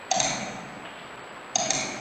灵神星来命名。